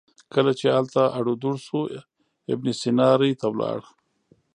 کله چې هلته اړو دوړ شو ابن سینا ري ته ولاړ.